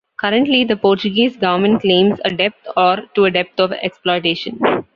Currently, the Portuguese government claims a depth, or to a depth of exploitation.